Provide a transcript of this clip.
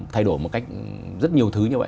thay đổi một cách rất nhiều thứ như vậy